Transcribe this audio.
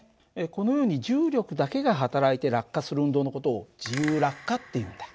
このように重力だけが働いて落下する運動の事を自由落下っていうんだ。